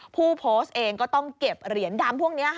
ผู้โพสต์เองก็ต้องเก็บเหรียญดำพวกนี้